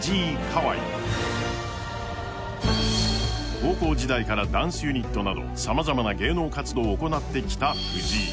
高校時代からダンスユニットなどさまざまな芸能活動をやってきた藤井。